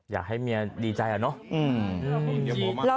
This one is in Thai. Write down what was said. อยากให้เมียดีใจอะเนาะ